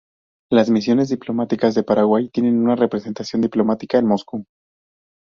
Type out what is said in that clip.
Las misiones diplomáticas de Paraguay tienen una representación diplomática en Moscú.